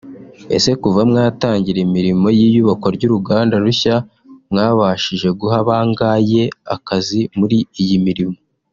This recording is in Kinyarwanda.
ese kuva mwatangira imirimo y’iyubakwa ry’uruganda rushya mwabashije guha bangaye akazi muri iyi mirimo